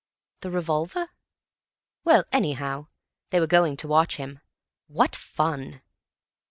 The revolver? Well, anyhow, they were going to watch him. What fun!